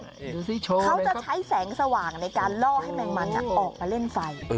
เขาจะใช้แสงสว่างในการล่อให้แมงมันออกมาเล่นไฟ